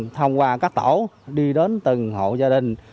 thông qua các tổ đi đến từng hộ gia đình